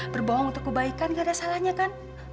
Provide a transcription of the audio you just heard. berbohong untuk kebaikan gak ada salahnya kan